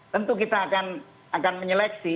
tentu kita akan menyeleksi